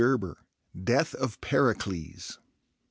DEATH OF PERICLES.